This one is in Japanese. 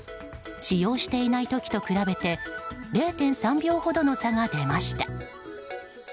使用していない時と比べて０．３秒ほどの差が出ました。